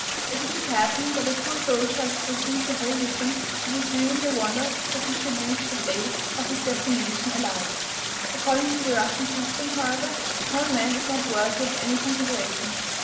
If it should happen that a poor soldier has to proceed the whole distance, it is really a wonder that he should reach the place of his destination alive. According to the Russian system, however, the common man is not worthy of any consideration.